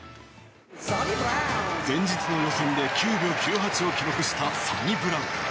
前日の予選で９秒９８を記録したサニブラウン。